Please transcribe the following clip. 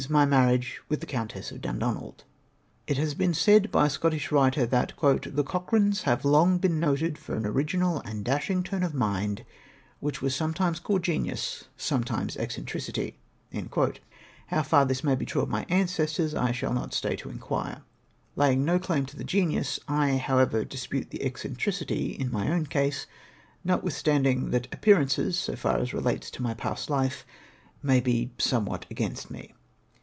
my marriage with the Countess of Dundonald. It has oeen said by a Scottish writer that " the Cochranes have long been noted for an original and dashing turn of mind, which was sometimes called genius — sometimes eccen tricity." How far this may be true of my ancestors, I shall not stay to inquire. Laying no claim to the genius, I however dispute the eccentricity in my own case, notwithstanding that appearances, so far as relates to my past hfe, may be somewhat against me.